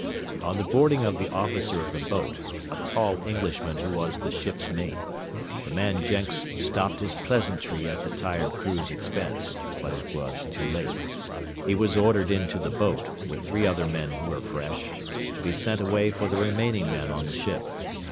On the boarding of the officer of the boat, a tall Englishman who was the ship's mate, the man Jenks stopped his pleasantry at the tired crew's expense, but it was too late. He was ordered into the boat, with three other men who were fresh, to be sent away for the remaining men on the ship.